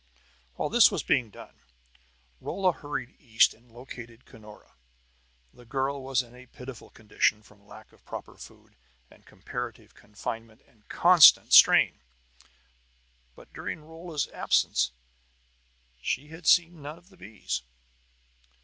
While this was being done, Rolla hurried east and located Cunora. The girl was in a pitiful condition from lack of proper food, and comparative confinement and constant strain. But during Rolla's absence she had seen none of the bees.